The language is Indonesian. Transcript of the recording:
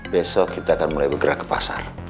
besok kita akan mulai bergerak ke pasar